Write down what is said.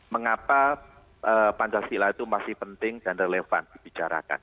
mengapa pancasila itu masih penting dan relevan dibicarakan